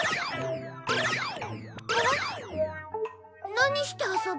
何して遊ぶ？